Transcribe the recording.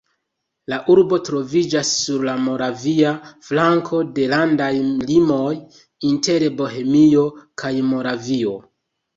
La urbo troviĝas sur la moravia flanko de landaj limoj inter Bohemio kaj Moravio.